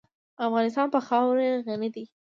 افغانستان په خاوره غني دی.